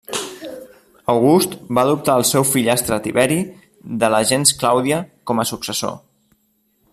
August va adoptar el seu fillastre Tiberi, de la gens Clàudia, com a successor.